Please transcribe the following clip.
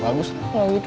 bagus kalau gitu